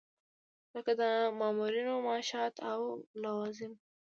لکه د مامورینو معاشات او لوازم.